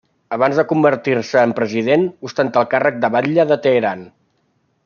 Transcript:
Abans de convertir-se en president, ostentà el càrrec de batlle de Teheran.